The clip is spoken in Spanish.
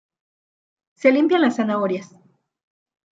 Se limpian las zanahorias